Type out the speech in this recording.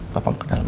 papa mau ke dalam